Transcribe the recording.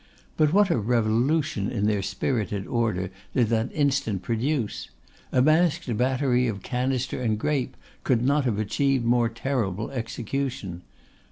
But what a revolution in their spirited order did that instant produce! A masked battery of canister and grape could not have achieved more terrible execution.